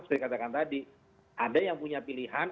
seperti katakan tadi ada yang punya pilihan